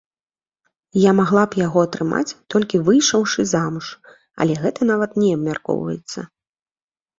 Я магла б яго атрымаць, толькі выйшаўшы замуж, але гэта нават не абмяркоўваецца.